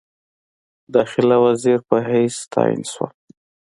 داخله وزیر په حیث تعین شول.